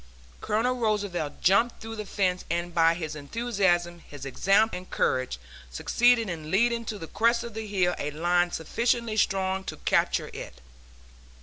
Colonel Roosevelt jumped through the fence and by his enthusiasm, his example and courage succeeded in leading to the crest of the hill a line sufficiently strong to capture it.